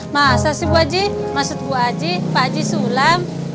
masa sih bu aji maksud bu aji pak aji sulam